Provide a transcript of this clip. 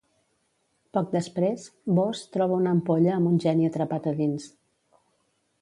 Poc després, Bosse troba una ampolla amb un geni atrapat a dins.